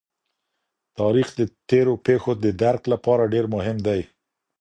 تاریخ د تېرو پېښو د درک لپاره ډېر مهم دی.